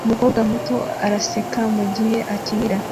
Umukobwa muto araseka mugihe akinira